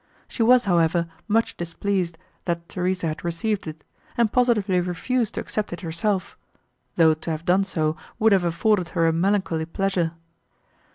She was, however, much displeased, that Theresa had received it, and positively refused to accept it herself, though to have done so would have afforded her a melancholy pleasure.